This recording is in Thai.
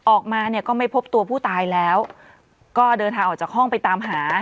ออกมาเนี่ยก็ไม่พบตัวผู้ตายแล้วก็เดินทางออกจากห้องไปตามหา